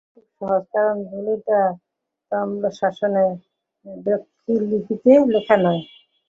প্রমাণ করা খুব সহজ, কারণ দলিলটা তাম্রশাসনে ব্রাহ্মীলিপিতে লেখা নয়।